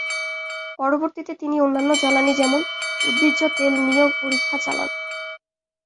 পরবর্তীতে তিনি অন্যান্য জ্বালানি যেমন উদ্ভিজ্জ তেল নিয়েও পরীক্ষা চালান।